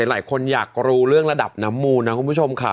หลายคนอยากรู้เรื่องระดับน้ำมูลนะคุณผู้ชมค่ะ